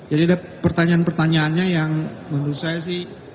jadi ada pertanyaan pertanyaannya yang menurut saya sih